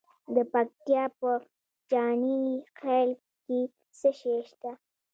د پکتیا په جاني خیل کې څه شی شته؟